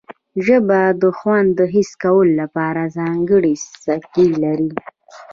ژبه د خوند د حس کولو لپاره ځانګړي څکي لري